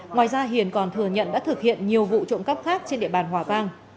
ngoài ra hiền còn thừa nhận đã thực hiện nhiều vụ trộm cắp khác trên địa bàn hòa vang